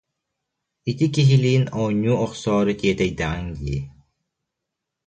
Ити киһилиин оонньуу охсоору тиэтэйдэҕиҥ дии